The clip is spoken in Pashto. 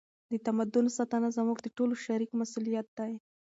د تمدن ساتنه زموږ د ټولو شریک مسؤلیت دی.